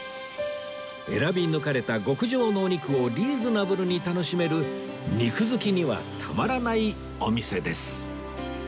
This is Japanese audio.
選び抜かれた極上のお肉をリーズナブルに楽しめる肉好きにはたまらないお店です